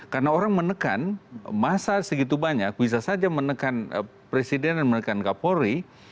karena orang menekan masa segitu banyak bisa saja menekan presiden dan menekan kapolri